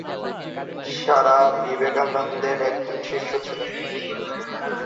সারা বিবেকানন্দের একজন শিষ্য ছিলেন।